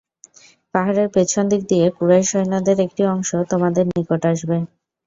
পাহাড়ের পেছন দিক দিয়ে কুরাইশ সৈন্যদের একটি অংশ তোমাদের নিকট আসবে।